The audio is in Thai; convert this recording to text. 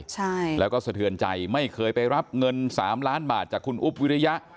ใช่แล้วก็สะเทือนใจไม่เคยไปรับเงินสามล้านบาทจากคุณอุ๊บวิริยะ